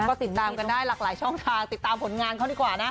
ก็ติดตามกันได้หลากหลายช่องทางติดตามผลงานเขาดีกว่านะ